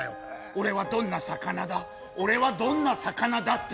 俺はどんな魚だ、俺はどんな魚かって。